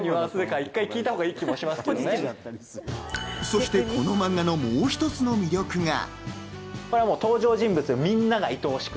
そして、このマンガのもう一つの魅力が。